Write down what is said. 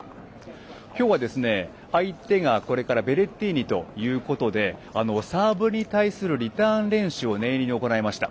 今日は相手がベレッティーニということでサーブに対するリターン練習を念入りに行いました。